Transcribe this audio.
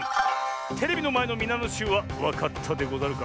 テレビのまえのみなのしゅうはわかったでござるか？